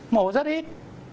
mổ rất ít